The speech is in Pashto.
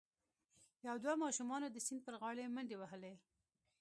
یو دوه ماشومانو د سیند پر غاړه منډې وهلي.